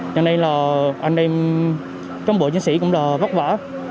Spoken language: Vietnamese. cho nên là anh em trong bộ chiến sĩ cũng rất là vất vả